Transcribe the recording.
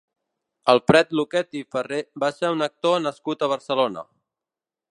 Alfred Lucchetti i Farré va ser un actor nascut a Barcelona.